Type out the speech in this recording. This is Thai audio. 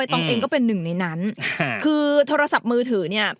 ต้องเองก็เป็นหนึ่งในนั้นคือโทรศัพท์มือถือเนี่ย